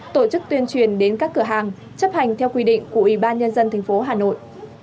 tổ chức tuyên truyền đến các cửa hàng chấp hành theo quy định của ủy ban nhân dân tp hà nội